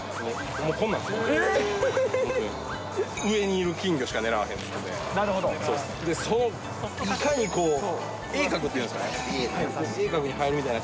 上にいる金魚しか狙わへんみたいな。